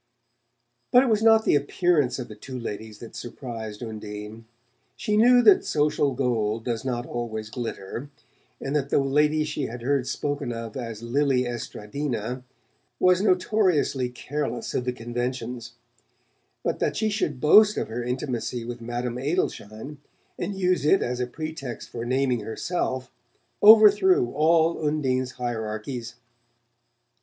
But it was not the appearance of the two ladies that surprised Undine. She knew that social gold does not always glitter, and that the lady she had heard spoken of as Lili Estradina was notoriously careless of the conventions; but that she should boast of her intimacy with Madame Adelschein, and use it as a pretext for naming herself, overthrew all Undine's hierarchies.